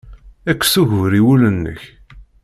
Kkes ugur i wul-nnek.